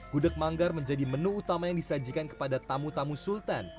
gudeg manggar menjadi menu utama yang disajikan kepada tamu tamu sultan